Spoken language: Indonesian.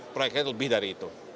proyeknya lebih dari itu